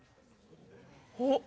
おっ。